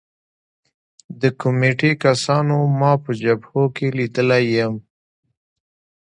د کمېټې کسانو ما په جبهو کې لیدلی یم